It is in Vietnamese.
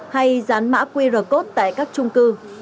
hay dán mã qr code tại các trung cư